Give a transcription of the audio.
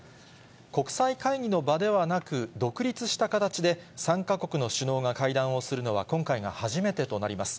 国際会議の場ではなく、独立した形で３か国の首脳が会談をするのは今回が初めてとなります。